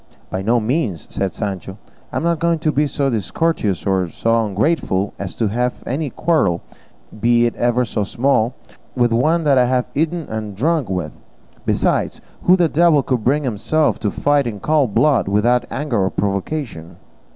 "By no means," said Sancho; "I am not going to be so discourteous or so ungrateful as to have any quarrel, be it ever so small, with one I have eaten and drunk with; besides, who the devil could bring himself to fight in cold blood, without anger or provocation?"